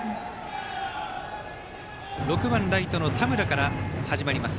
６番ライトの田村から始まります。